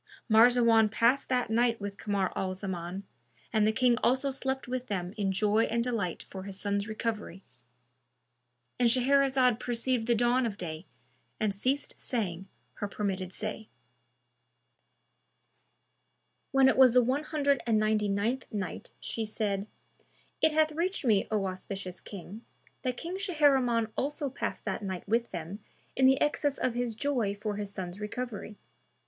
Marzawan passed that night with Kamar al Zaman, and the King also slept with them in joy and delight for his son's recovery.—And Shahrazad perceived the dawn of day and ceased saying her permitted say. When it was the One Hundred and Ninety ninth Night, She said, It hath reached me, O auspicious King, that King Shahriman also passed that night with them in the excess of his joy for his son's recovery.